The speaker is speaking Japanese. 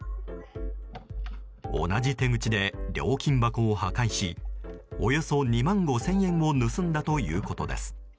同じ手口で料金箱を破壊しおよそ２万５０００円を盗んだということです。